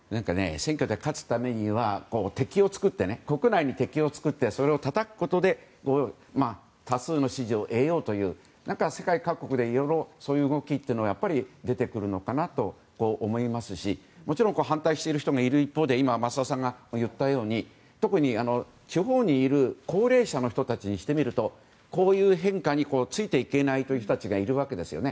選挙で勝つためには国内に敵を作って、たたくことで多数の支持を得ようという世界各国でいろいろそういう動きというのが出てくるんじゃないかと思いますしもちろん反対している人がいる一方で増田さんが言ったように特に、地方にいる高齢者の人にしてみるとこういう変化についていけない人がいるわけです。